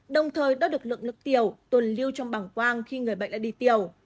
đồng thời đoạt được lượng nước tiểu tuần lưu trong bảng quang khi người bệnh đã đi tiểu